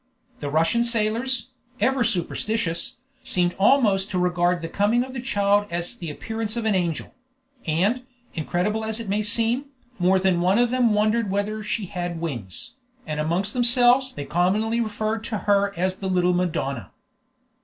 The Russian sailors, ever superstitious, seemed almost to regard the coming of the child as the appearance of an angel; and, incredible as it may seem, more than one of them wondered whether she had wings, and amongst themselves they commonly referred to her as "the little Madonna."